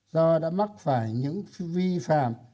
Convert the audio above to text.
do đã mắc phải những vi phạm